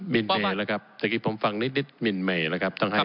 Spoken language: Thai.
มินเมย์แล้วครับเมื่อกี้ผมฟังนิดมินเมย์แล้วครับท่านท่าน